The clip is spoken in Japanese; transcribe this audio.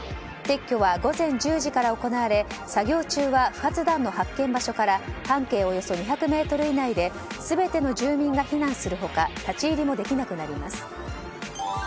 撤去は午前１０時から行われ作業中は不発弾の発見場所から半径およそ２００ｍ以内で全ての住民が避難する他立ち入りもできなくなります。